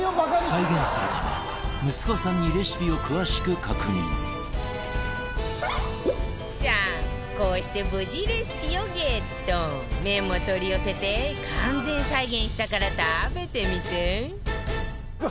再現するため息子さんにさあこうして無事レシピをゲット麺も取り寄せて完全再現したから食べてみて